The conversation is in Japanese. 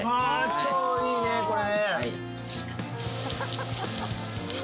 超いいね、これ。